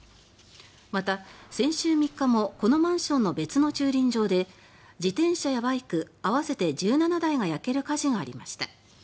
また、先週３日もこのマンションの別の駐輪場で自転車やバイク合わせて１７台が焼ける火事がありました。